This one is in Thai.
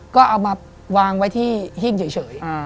ก็เอามาวางไว้ที่หิ้งเฉย